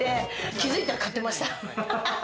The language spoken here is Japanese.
気付いたら買ってました。